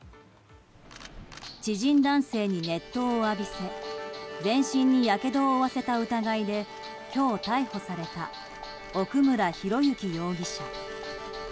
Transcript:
知人男性に熱湯を浴びせ全身にやけどを負わせた疑いで今日、逮捕された奥村啓志容疑者。